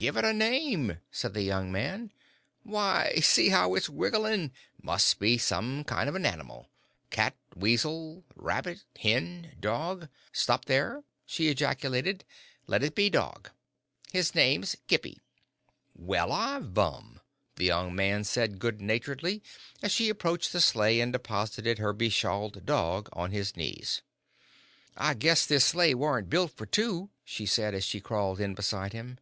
"Give it a name," said the young man; "why, see how it's wiggling must be some kind of an animal. Cat, weasel, rabbit, hen, dog " "Stop there," she ejaculated; "let it be dog. His name's Gippie." "Well, I vum!" the young man said, good naturedly, as she approached the sleigh and deposited her beshawled dog on his knees. "I guess this sleigh warn't built for two," she said, as she crawled in beside him.